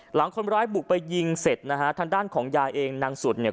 หลังคนร้ายบุกไปยิงเสร็จนะฮะทางด้านของยายเองนางสุดเนี่ย